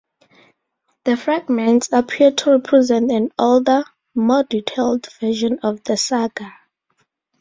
The fragments appear to represent an older, more detailed version of the saga.